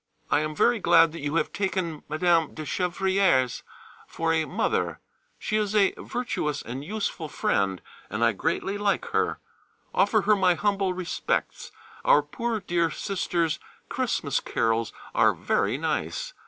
I am very glad that you have taken Mme. de Chevrières for a mother;[A] she is a virtuous and useful friend and I greatly like her: offer her my humble respects. Our poor dear Sisters' Christmas carols are very nice.